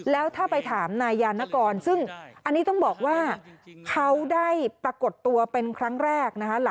แล้วถ้าไปถามนายยานกรซึ่งอันนี้ต้องบอกว่า